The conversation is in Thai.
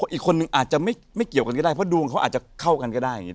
อีกคนนึงอาจจะไม่เกี่ยวกันก็ได้เพราะดวงเขาอาจจะเข้ากันก็ได้อย่างนี้